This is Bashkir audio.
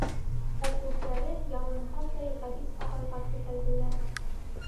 Ә күҙҙәре, ялынғандай, Ғәбит ағайға текәлделәр.